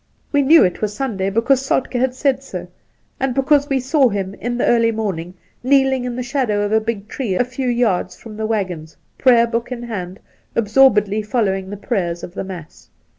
We knew it was Sunday, because Soltk^ had said so, and because we saw him in the early morning kneeling in the shadow of a big tree a few yards from the waggons, Prayer book in hand, absorbedly following the prayers of the Mass.